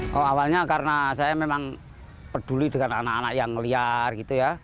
kalau awalnya karena saya memang peduli dengan anak anak yang liar gitu ya